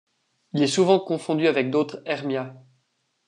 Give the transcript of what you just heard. Il est souvent confondu avec d'autres Hermias.